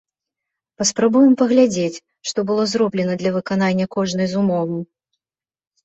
Паспрабуем паглядзець, што было зроблена для выканання кожнай з умоваў.